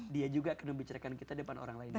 dia juga akan membicarakan kita depan orang lain